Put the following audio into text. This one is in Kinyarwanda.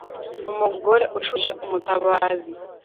umugore ucukije umutabazi